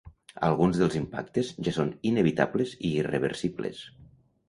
Alguns dels impactes ja són inevitables i irreversibles.